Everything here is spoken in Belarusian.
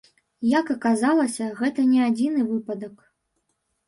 Як аказалася, гэта не адзіны выпадак.